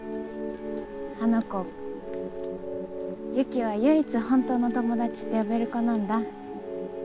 あの子雪は唯一本当の友達って呼べる子なんだ。